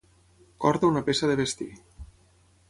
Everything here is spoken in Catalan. Corda una peça de vestir.